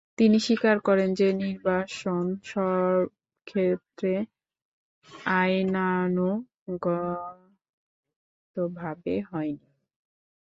তিনি স্বীকার করেন যে নির্বাসন সবক্ষেত্রে আইনানুগভাবে হয়নি।